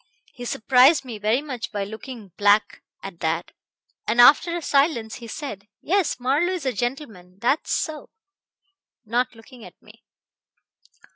He surprised me very much by looking black at that, and after a silence he said, 'Yes, Marlowe is a gentleman, that's so' not looking at me.